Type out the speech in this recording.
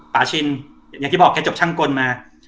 ชินอย่างที่บอกแกจบช่างกลมา